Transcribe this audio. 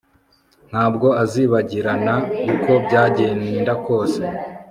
Ntabwo azibagirana uko byagenda kose